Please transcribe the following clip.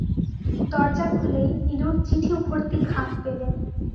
দরজা খুলেই নীলুর চিঠিভর্তি খাম পেলেন।